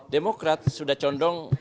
demokrat sudah condong